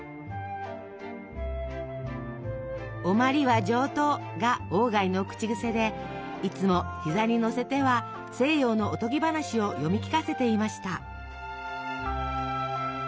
「おまりは上等」が鴎外の口癖でいつも膝に乗せては西洋のおとぎ話を読み聞かせていました。